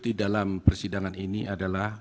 di dalam persidangan ini adalah